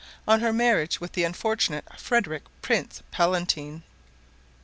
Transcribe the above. on her marriage with the unfortunate Frederic Prince Palatine.